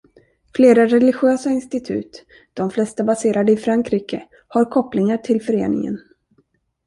Flera religiösa institut, de flesta baserade i Frankrike, har kopplingar till föreningen.